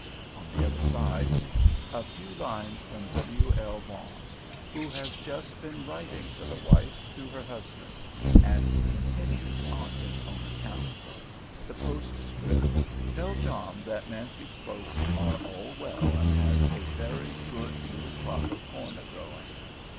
On the other side, "A few lines from W. L. Vaughn." who has just been writing for the wife to her husband, and continues on his own account. The postscript, "tell John that nancy's folks are all well and has a verry good Little Crop of corn a growing."